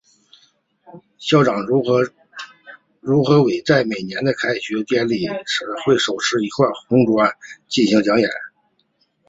校长何伟在每年的开学典礼时会手持一块红砖进行演讲。